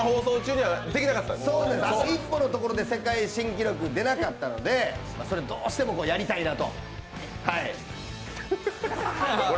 あと一歩のところで世界新記録が出なかったのでそれ、どうしてもやりたいなと。